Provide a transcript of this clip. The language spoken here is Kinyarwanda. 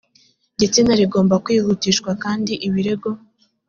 gitsina rigomba kwihutishwa kandi ibirego